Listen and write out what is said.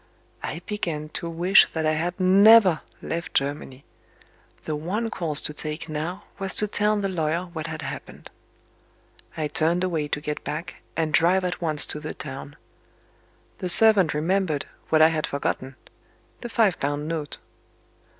I began to wish that I had never left Germany. The one course to take now was to tell the lawyer what had happened. I turned away to get back, and drive at once to the town. The servant remembered, what I had forgotten the five pound note.